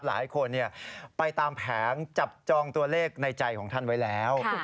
หลายคนไปตามแผงจับจองตัวเลขในใจของท่านไว้แล้ว